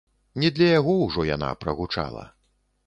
Не для яго ўжо яна прагучала.